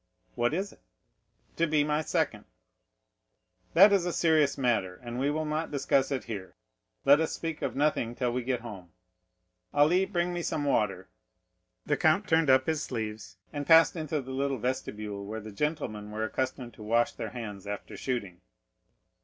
"What is it?" "To be my second." "That is a serious matter, and we will not discuss it here; let us speak of nothing till we get home. Ali, bring me some water." The count turned up his sleeves, and passed into the little vestibule where the gentlemen were accustomed to wash their hands after shooting.